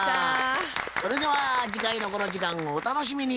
それでは次回のこの時間をお楽しみに。